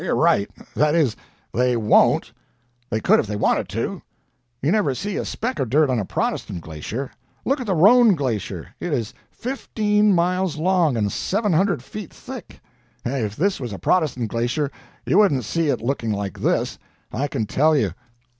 You're right. That is, they WON'T. They could if they wanted to. You never see a speck of dirt on a Protestant glacier. Look at the Rhone glacier. It is fifteen miles long, and seven hundred feet thick. If this was a Protestant glacier you wouldn't see it looking like this, I can tell you."